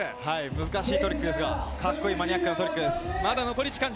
難しいトリックですが、カッコいいマニアックなトリックです。